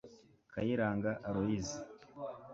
kayiranga aloys